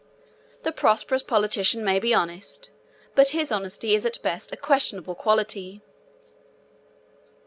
The prosperous politician may be honest, but his honesty is at best a questionable quality.